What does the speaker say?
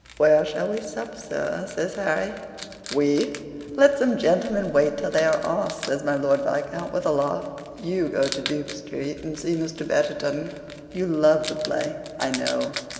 "Where shall we sup, sir?" says Harry. "WE! Let some gentlemen wait till they are asked," says my Lord Viscount with a laugh. "You go to Duke Street, and see Mr. Betterton. You love the play, I know.